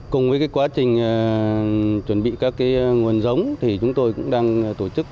cùng với quá trình chuẩn bị các nguồn giống thì chúng tôi cũng đang tổ chức